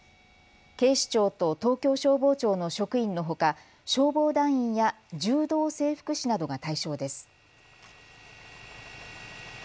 警視庁と東京消防庁の職員のほか消防団員や柔道整復師などが対象です。